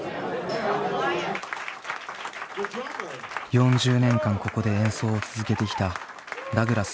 ４０年間ここで演奏を続けてきたダグラス